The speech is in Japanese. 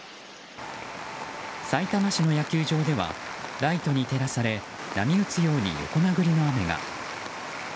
さいたま市の野球場ではライトに照らされ波打つように横殴りの雨が。